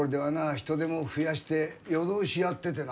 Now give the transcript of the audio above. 人手も増やして夜通しやっててな。